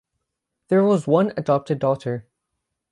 There was one adopted daughter.